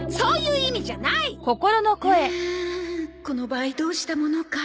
うんこの場合どうしたものか